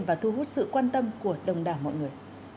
và thu hút sự quan tâm của đồng đảng mọi người